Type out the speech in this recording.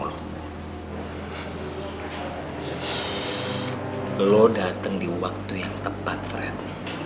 lu dateng di waktu yang tepat fred